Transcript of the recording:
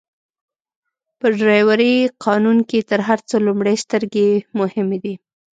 په ډرایورۍ قانون کي تر هر څه لومړئ سترګي مهمه دي.